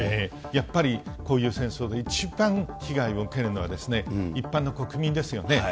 やっぱり、こういう戦争で一番被害を受けるのは一般の国民ですよね。